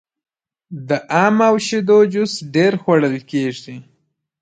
د ام او شیدو جوس ډیر خوړل کیږي.